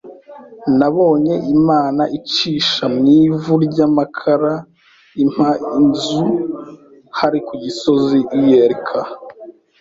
nabonye Imana icisha mu ivu ry’amakara impa inzu hari ku Gisozi ULK